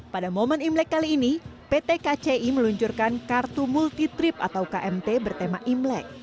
pada momen imlek kali ini pt kci meluncurkan kartu multi trip atau kmt bertema imlek